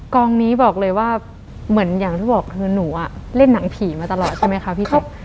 กองนี้บอกเลยว่าเหมือนอย่างที่บอกคือหนูเล่นหนังผีมาตลอดใช่ไหมคะพี่